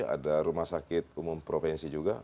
ada rumah sakit umum provinsi juga